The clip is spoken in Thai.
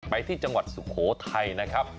ที่จังหวัดสุโขทัยนะครับ